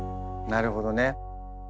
なるほどね。